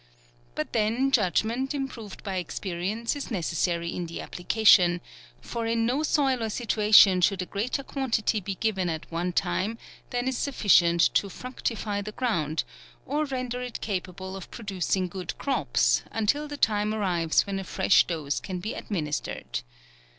But then judgment, improved by experience, is necessary in the application ; for in no soil or situation should a greater quantity be giv en at one time than is sufficient to fructify the ground, or render it capable of produc ing good crops, until the time arrives when a fresh dose can be administered.